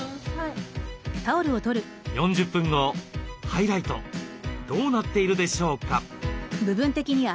ハイライトどうなっているでしょうか？